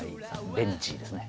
ベンジーですね